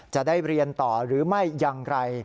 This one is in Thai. จะได้เรียนต่อหรือไม่อย่างไร